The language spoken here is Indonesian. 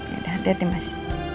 ya udah hati hati mas